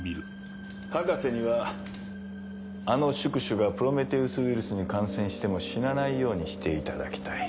博士にはあの宿主がプロメテウス・ウイルスに感染しても死なないようにしていただきたい。